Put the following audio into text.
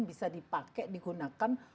bisa dipakai digunakan